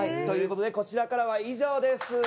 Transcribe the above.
ということでこちらからは以上です。